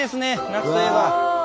夏といえば。